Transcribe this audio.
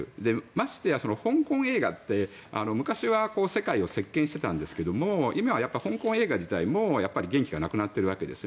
ましてや香港の映画って昔は世界を席巻してたんですが今は香港映画自体も元気がなくなっているわけです。